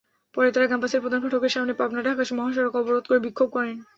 পরে তাঁরা ক্যাম্পাসের প্রধান ফটকের সামনে পাবনা-ঢাকা মহাসড়ক অবরোধ করে বিক্ষোভ করেন।